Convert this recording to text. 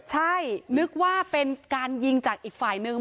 ใช่นึกว่าเป็นการยิงจากอีกฝ่ายนึง